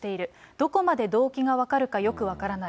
どこまで動機が分かるかよく分からない。